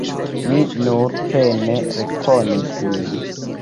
Mi nur pene rekonis lin.